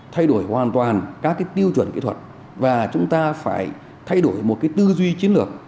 thay đổi hoàn toàn các tiêu chuẩn kỹ thuật và chúng ta phải thay đổi một tư duy chiến lược